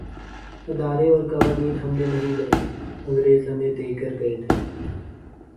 ادارے اورقوانین ہم نے نہیں بنائے‘ انگریز ہمیں دے کے گئے تھے۔